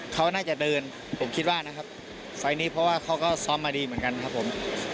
เขาน่าจะเดินผมคิดว่านะครับไฟล์นี้เพราะว่าเขาก็ซ้อมมาดีเหมือนกันครับผม